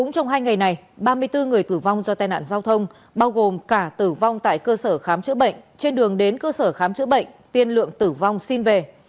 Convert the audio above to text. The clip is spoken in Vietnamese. trong hai ngày này ba mươi bốn người tử vong do tai nạn giao thông bao gồm cả tử vong tại cơ sở khám chữa bệnh trên đường đến cơ sở khám chữa bệnh tiên lượng tử vong xin về